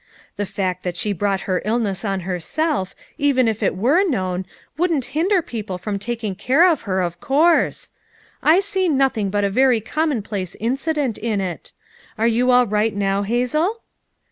The fact that she brought her illness on herself, even if it were known, wouldn't hinder people from taking care of her of course. I see nothing but a very commonplace incident in it. Are you all right now, Hazel?"